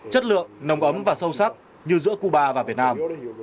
chất lượng nồng ấm và sâu sắc như giữa cuba và việt nam